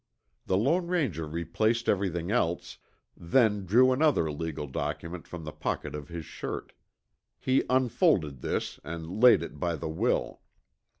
The Lone Ranger replaced everything else, then drew another legal document from the pocket of his shirt. He unfolded this, and laid it by the will.